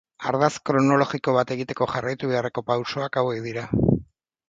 Ardatz kronologiko bat egiteko jarraitu beharreko pausoak hauek dira.